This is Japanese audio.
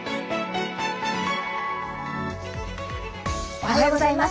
おはようございます。